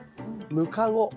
ムカゴ。